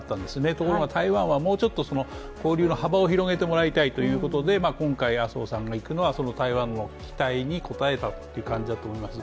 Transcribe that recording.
ところが台湾はもうちょっと交流の幅を広げてもらいたいということで今回、麻生さんが行くのは台湾の期待に応えたという感じだと思います。